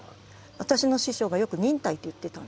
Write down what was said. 私の師匠がよく忍耐って言ってたんですね。